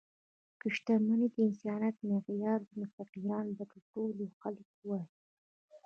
که شتمني د انسانیت معیار وای، نو فقیران به تر ټولو بد خلک وای.